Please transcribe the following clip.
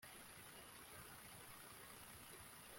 entretenant cette étrange confusion